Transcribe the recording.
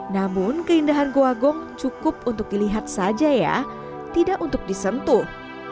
namun keindahan goa gong cukup untuk dilihat saja ya tidak untuk disentuh